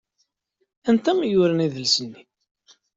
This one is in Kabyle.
Anta i yuran adlis-nni?